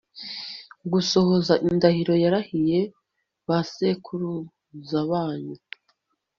gusohoza indahiro yarahiye ba sekuruza banyu